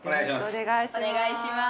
お願いします。